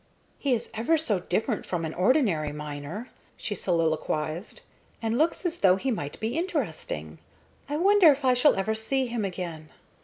"He is ever so different from an ordinary miner," she soliloquized, "and looks as though he might be interesting. I wonder if I shall ever see him again?